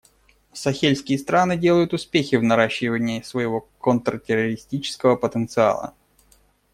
Сахельские страны делают успехи в наращивании своего контртеррористического потенциала.